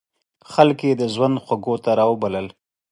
خلک یې د ژوند خوږو ته را وبلل.